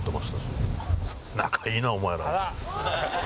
「仲いいなお前ら」。